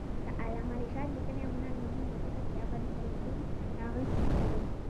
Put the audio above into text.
د علامه رشاد لیکنی هنر مهم دی ځکه چې ابن خلدون اغېز پکې دی.